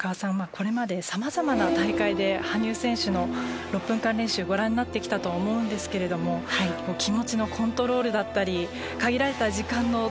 これまで様々な大会で羽生選手の６分間練習ご覧になってきたと思うんですけれども気持ちのコントロールだったり限られた時間の使い方だったり